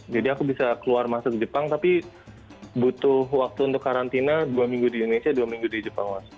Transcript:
jadi aku bisa keluar masuk ke jepang tapi butuh waktu untuk karantina dua minggu di indonesia dua minggu di jepang